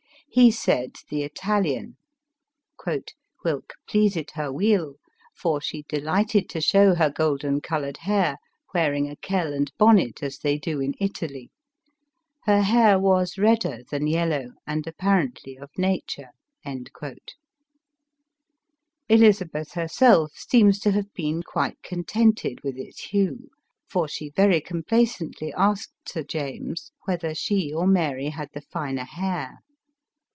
He said the Italian, " whilk pleasit her weel ; for she delighted to show her golden colored hair, wearing a kell and bonnet as they do in Italy. Her hair was red der than yellow, and apparently of nature." Elizabeth herself seems to have been quite contented with its hue, for she very complacently asked Sir James whether she or Mary had the finer hair